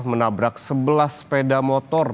menabrak sebelah sepeda motor